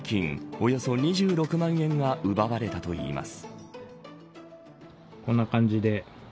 およそ２６万円が奪われたといいます。